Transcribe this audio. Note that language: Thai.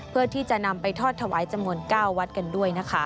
เพื่อที่จะนำไปทอดถวายจำนวน๙วัดกันด้วยนะคะ